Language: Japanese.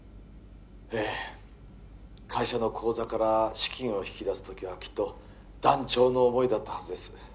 ええ会社の口座から資金を引き出す時はきっと断腸の思いだったはずです